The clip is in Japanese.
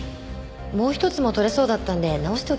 もう一つも取れそうだったんで直しておきますね。